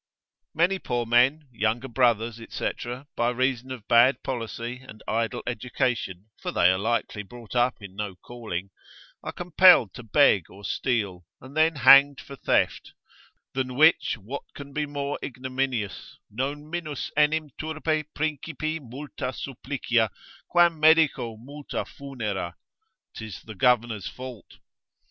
Many poor men, younger brothers, &c. by reason of bad policy and idle education (for they are likely brought up in no calling), are compelled to beg or steal, and then hanged for theft; than which, what can be more ignominious, non minus enim turpe principi multa supplicia, quam medico multa funera, 'tis the governor's fault.